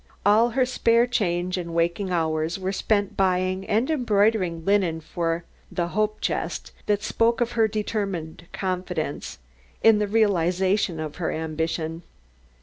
All her spare change and waking hours were spent buying and embroidering linen for the "hope chest" that spoke of her determined confidence in the realization of her ambition.